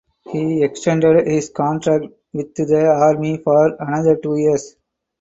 He extended his contract with the army for another two years.